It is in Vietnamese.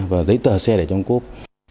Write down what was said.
và giấy tờ xe để trong cốp